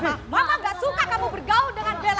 mama gak suka kamu bergaul dengan bella